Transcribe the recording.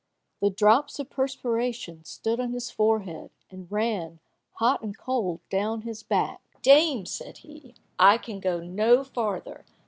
The drops of perspiration stood on his forehead, and ran, hot and cold, down his back. "Dame," said he, "I can go no farther.